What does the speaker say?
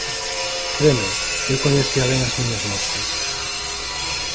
Creme: eu coñecía ben as miñas moscas.